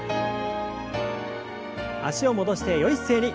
脚を戻してよい姿勢に。